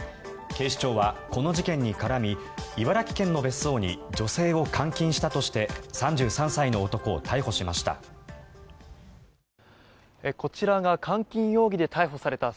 警視庁はこの事件に絡み茨城県の別荘に女性を監禁したとして３３歳の男を逮捕しました。